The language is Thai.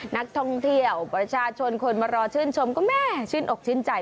นักท่องเที่ยวประชาชนคนมารอชื่นชมก็แม่ชื่นอกชื่นใจ